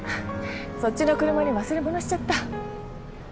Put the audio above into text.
そっちの車に忘れ物しちゃった。